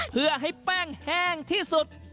เพื่อให้แป้งแห้งที่สุด